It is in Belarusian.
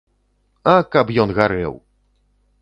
А каб ён гарэў!